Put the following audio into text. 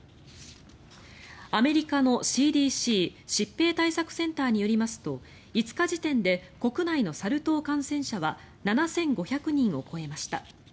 アメリカのＣＤＣ・疾病対策センターによりますと５日時点で国内のサル痘感染者は７５００人を超えました。